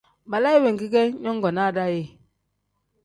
Balaayi wenki ge nyongonaa daa ye ?